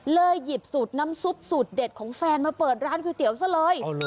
หยิบสูตรน้ำซุปสูตรเด็ดของแฟนมาเปิดร้านก๋วยเตี๋ยวซะเลย